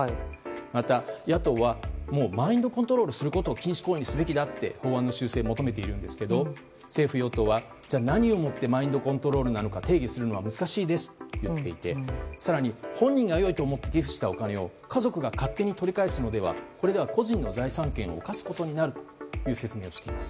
また、野党はもうマインドコントロールをすることを禁止行為にするべきだと法案の修正を求めているんですけれども政府・与党はじゃあ何をもってマインドコントロールなのか定義するのは難しいですと言っていて更に、本人が良いと思って寄付したお金を家族が勝手に取り返すのでは個人の財産権を侵すことになるという説明をしています。